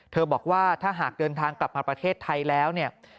บอกว่าถ้าหากเดินทางกลับมาประเทศไทยแล้วเนี่ย